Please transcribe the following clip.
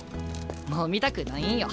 もう見たくないんよ。